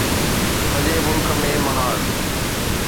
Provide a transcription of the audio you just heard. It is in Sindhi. سڄي ملڪ ۾ محاذ